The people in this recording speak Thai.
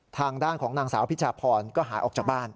ทางด้านของนางสาวพิชาพรก็หายออกจากบ้าน